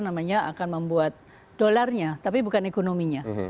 namanya akan membuat dolarnya tapi bukan ekonominya